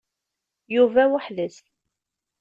Yuba weḥd-s.